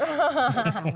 tuh kamu lehat